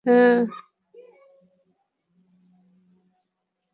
ওহ্, হ্যাঁঁ।